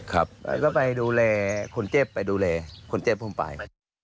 ครับแล้วก็ไปดูแลคนเจ็บไปดูแลคนเจ็บผมไป